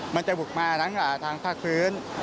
มันจะบุกมาทั้งทางภาคพื้น